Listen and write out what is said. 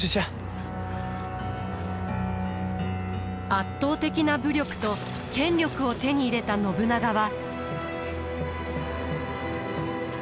圧倒的な武力と権力を手に入れた信長は。